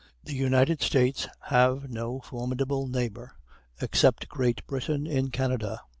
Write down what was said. The United States have no formidable neighbor, except Great Britain in Canada.